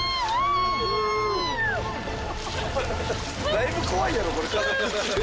だいぶ怖いやろこれ。